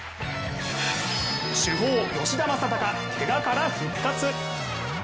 主砲・吉田正尚、けがから復活。